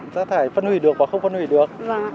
rác thải phân hủy được và không phân hủy được